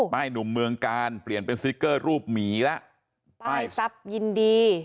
หนุ่มเมืองกาลเปลี่ยนเป็นสติ๊กเกอร์รูปหมีแล้วป้ายทรัพย์ยินดี